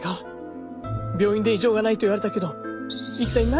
病院で異常がないと言われたけど一体何が原因なんだ？